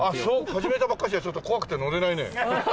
始めたばっかしじゃちょっと怖くて乗れないね。